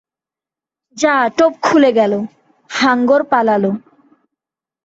যা টোপ খুলে গেল! হাঙ্গর পালাল।